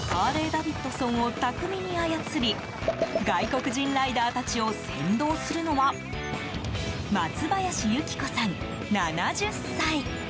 ダビッドソンを巧みに操り外国人ライダーたちを先導するのは松林由紀子さん、７０歳。